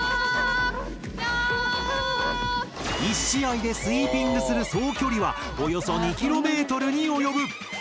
１試合でスイーピングする総距離はおよそ２ｋｍに及ぶ。